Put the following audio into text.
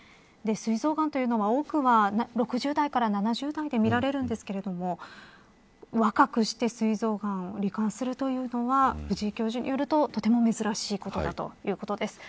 膵臓がんというのは多くは６０代から７０代で見られるんですけれども若くして膵臓がんに罹患するというのは藤井教授によると、とても珍しということだそうです。